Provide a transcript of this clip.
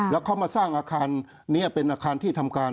แล้วเขามาสร้างอาคารนี้เป็นอาคารที่ทำการ